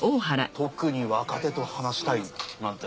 特に若手と話したい。なんて